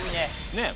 ねえ。